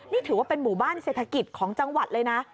นี่ถือว่าเป็นหมู่บ้านเศรษฐกิจของจังหวัดเลยนะ